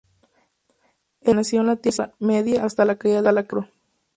Elrond permaneció en la Tierra Media hasta la caída de Sauron.